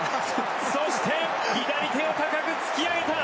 そして、左手を高く突き上げた！